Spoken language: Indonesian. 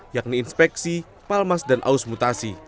yakni inspeksi palmas dan aus mutasi